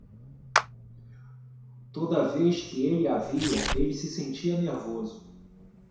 Toda vez que ele a via?, ele se sentia nervoso.